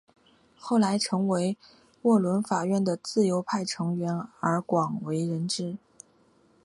后来成为沃伦法院的自由派成员而广为人知。